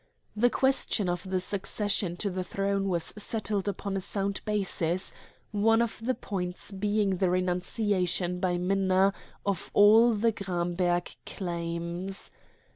The question of the succession to the throne was settled upon a sound basis one of the points being the renunciation by Minna of all the Gramberg claims.